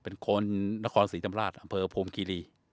เป็นคนนครศรีธรรมราชอำเภอภูมิคีรี